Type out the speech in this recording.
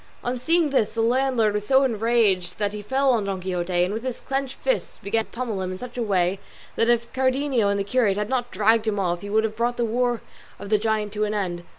On seeing this the landlord was so enraged that he fell on Don Quixote, and with his clenched fist began to pummel him in such a way, that if Cardenio and the curate had not dragged him off, he would have brought the war of the giant to an end.